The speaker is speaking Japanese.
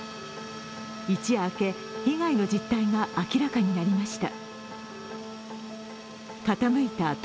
一夜明け、被害の実態が明らかになりました。